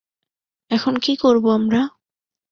এখন কী করবো আমরা?